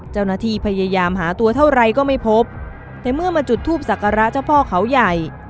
เจ้าหน้าที่พยายามหาตัวเท่าไรก็ไม่พบแต่เมื่อมาจุดทูปศักระเจ้าพ่อเขาใหญ่